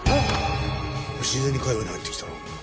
自然に会話に入ってきたな。